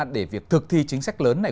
để việc thực thi chính sách lớn này